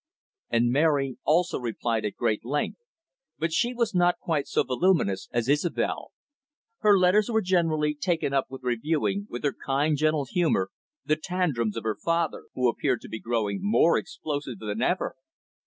And Mary also replied at great length, but she was not quite so voluminous as Isobel. Her letters were generally taken up with reviewing, with her kind, gentle humour, the tantrums of her father, who appeared to be growing more explosive than ever.